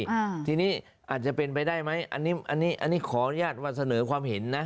อ่าทีนี้อาจจะเป็นไปได้ไหมอันนี้อันนี้อันนี้ขออนุญาตว่าเสนอความเห็นนะ